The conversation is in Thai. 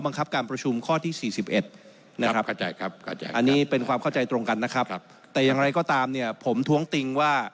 ข้อที่๔๑นะครับอันนี้เป็นความเข้าใจตรงกันนะครับแต่อย่างไรก็ตามเนี่ยผมท้วงติงว่า